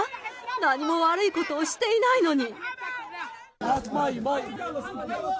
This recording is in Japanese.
何も悪いことをしていないのに。